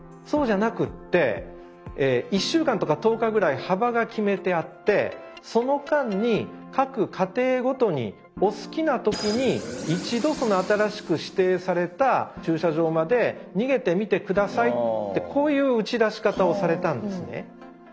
そうじゃなくって１週間とか１０日ぐらい幅が決めてあってその間に各家庭ごとにお好きな時に一度その新しく指定された駐車場まで逃げてみて下さいってこういう打ち出し方をされたんですね。